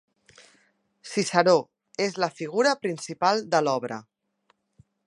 Ciceró - És la figura principal de l'obra.